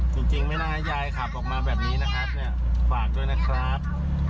จริงไม่น่าให้ยายขับออกมาแบบนี้นะครับเนี่ยฝากด้วยนะครับ